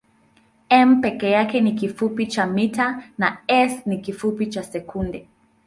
m peke yake ni kifupi cha mita na s ni kifupi cha sekunde.